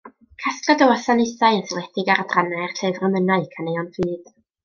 Casgliad o wasanaethau yn seiliedig ar adrannau'r llyfr emynau, Caneuon Ffydd.